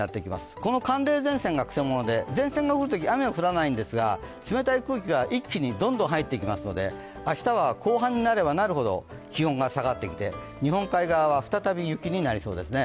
この寒冷前線がくせ者で、前線が来るとき雨は降らないんですが冷たい空気が一気にどんどん入ってきますので、明日は後半になればなるほど気温が下がってきて、日本海側は再び雪になりそうですね。